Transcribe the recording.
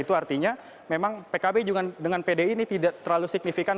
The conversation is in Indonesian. itu artinya memang pkb dengan pdi ini tidak terlalu signifikan